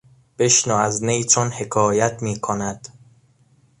بشنو از نی چون حکایت میکند...